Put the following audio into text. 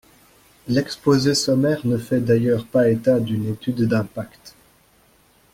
L’exposé sommaire ne fait d’ailleurs pas état d’une étude d’impact.